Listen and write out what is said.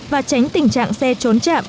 và tránh tình trạng xe trốn chạm